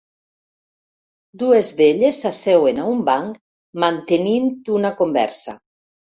Dues velles s'asseuen a un banc mantenint una conversa.